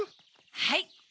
はい。